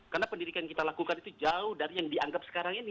karena pendidikan yang kita lakukan itu jauh dari yang dianggap sekarang ini